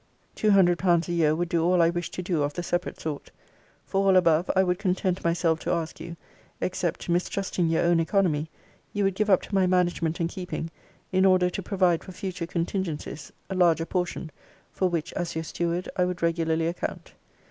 Two hundred pounds a year would do all I wish to do of the separate sort: for all above, I would content myself to ask you; except, mistrusting your own economy, you would give up to my management and keeping, in order to provide for future contingencies, a larger portion; for which, as your steward, I would regularly account.